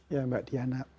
ya mbak diana